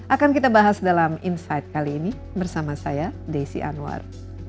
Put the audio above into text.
akan kita bahas dalam insight kali ini bersama saya desi anwar